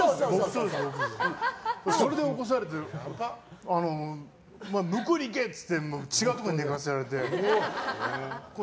それで起こされて向こうに行けって違うところで寝かされて。